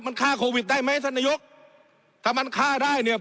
มันฆ่าโควิดได้ไหมท่านนายกถ้ามันฆ่าได้เนี่ย